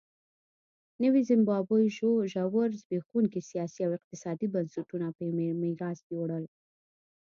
نوې زیمبابوې ژور زبېښونکي سیاسي او اقتصادي بنسټونه په میراث یووړل.